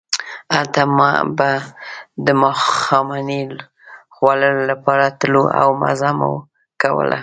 هلته به د ماښامنۍ خوړلو لپاره تلو او مزه مو کوله.